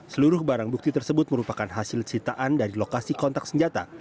seluruh barang bukti tersebut merupakan hasil sitaan dari lokasi kontak senjata